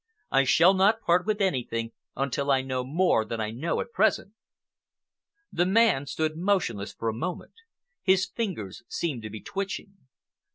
"I shall not part with anything until I know more than I know at present." The man stood motionless for a moment. His fingers seemed to be twitching.